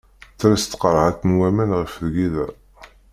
Tres tqerɛet n waman ɣef tgida.